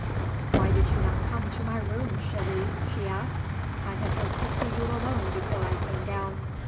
"Why did you not come to my room, chérie?" she asked. "I had hoped to see you alone before I came down."